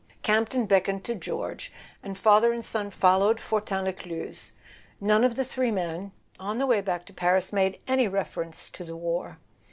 Campton beckoned to George, and father and son followed Fortin Lescluze. None of the three men, on the way back to Paris, made any reference to the war.